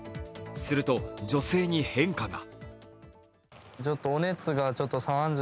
すると、女性に変化が。